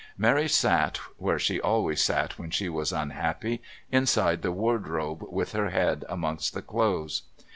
Mary sat, where she always sat when she was unhappy, inside the wardrobe with her head amongst the clothes.